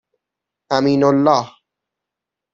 امینالله